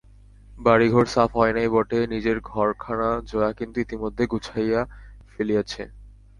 বাড়িঘর সাফ হয় নাই বটে, নিজের ঘরখানা জয়া কিন্তু ইতিমধ্যে গুছাইয়া ফেলিয়াছে।